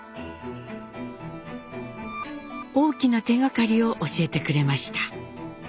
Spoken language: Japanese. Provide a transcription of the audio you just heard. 大きな手がかりを教えてくれました。